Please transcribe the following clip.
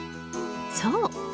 そう！